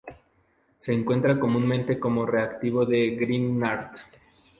Se encuentran comúnmente como reactivo de Grignard.